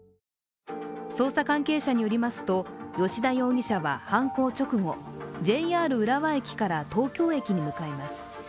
捜査関係者によりますと葭田容疑者は犯行直後ＪＲ浦和駅から東京駅に向かいます。